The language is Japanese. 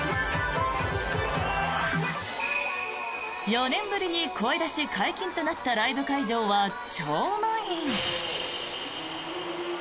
４年ぶりに声出し解禁となったライブ会場は超満員。